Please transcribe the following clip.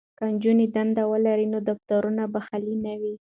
که نجونې دندې ولري نو دفترونه به خالي نه وي.